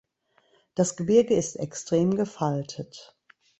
Das Gebirge ist extrem gefaltet.